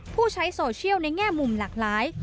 ผู้ใช้โซเชียลในแง่มุมหลากหลาย